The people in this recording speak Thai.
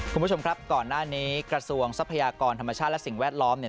คุณผู้ชมครับก่อนหน้านี้กระทรวงทรัพยากรธรรมชาติและสิ่งแวดล้อม